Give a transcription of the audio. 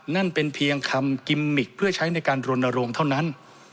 นั่นเป็นเพียงคำกิมมิกเพื่อใช้ในการรณรงค์เท่านั้น